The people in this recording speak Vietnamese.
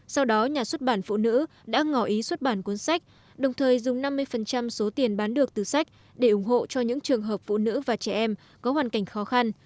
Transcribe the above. sau đó nhà xuất bản phụ nữ đã ngỏ ý xuất bản cuốn sách đồng thời dùng năm mươi số tiền bán được từ sách để ủng hộ cho những trường hợp phụ nữ và trẻ em có hoàn cảnh khó khăn